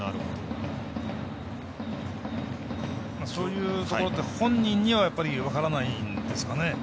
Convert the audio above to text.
そういうところって本人は分からないんですかね。